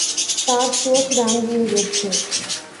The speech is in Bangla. তার চোখ রাঙ্গিয়ে গেছে।